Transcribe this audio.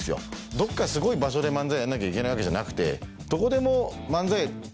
どっかすごい場所で漫才やんなきゃいけないわけじゃなくて。